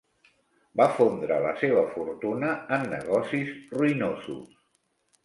Va fondre la seva fortuna en negocis ruïnosos.